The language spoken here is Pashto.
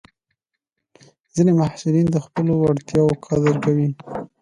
ځینې محصلین د خپلو وړتیاوو قدر کوي.